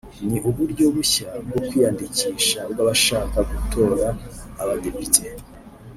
ni uburyo bushya bwo kwiyandikisha bw’abashaka gutora abadepite